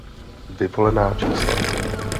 Vyvolená čísla